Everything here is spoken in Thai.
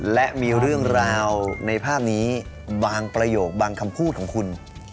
และมีเรื่องราวในภาพนี้บางประโยคบางคำพูดของคุณ